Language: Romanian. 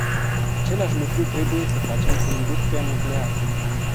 Același lucru trebuie să facem cu industria nucleară.